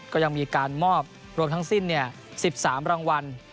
ก็ยังมีการมอบรวมทั้งสิ้น๑๓รางวัล